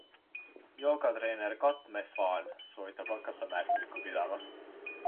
Joogatreener Cat Meffan soovitab hakata märkmikku pidama.